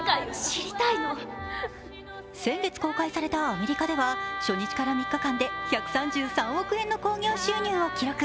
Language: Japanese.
先月公開されたアメリカでは初日から３日間で１３３億円の興行収入を記録。